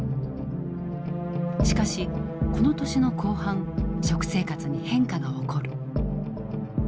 しかしこの年の後半食生活に変化が起こる。